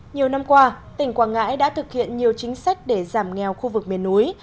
nhiều năm qua tỉnh quảng ngãi đã thực hiện nhiều chính sách để giảm nghèo khu vực miền núi